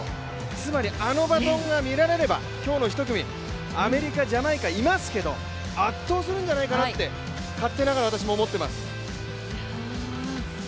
つまりあのバトンが見られれば、今日の１組、アメリカ、ジャマイカ、いますけど、圧倒するんじゃないかって勝手ながら私も思っています。